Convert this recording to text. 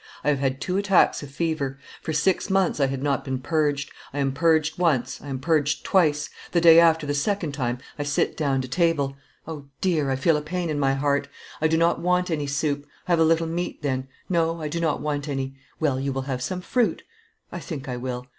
I have had two attacks of fever; for six months I had not been purged; I am purged once, I am purged twice; the day after the second time, I sit down to table. O, dear! I feel a pain in my heart; I do not want any soup. Have a little meat then. No, I do not want any. Well, you will have some fruit. I think I will.